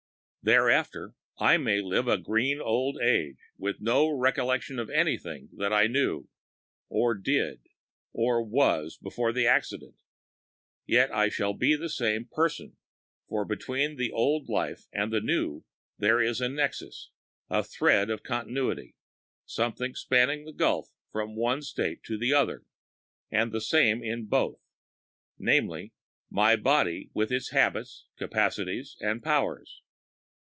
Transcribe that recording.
Thereafter I may live to a green old age with no recollection of anything that I knew, or did, or was before the accident; yet I shall be the same person, for between the old life and the new there will be a nexus, a thread of continuity, something spanning the gulf from the one state to the other, and the same in both—namely, my body with its habits, capacities and powers.